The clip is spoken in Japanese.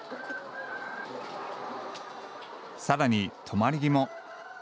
さらに、止まり木も。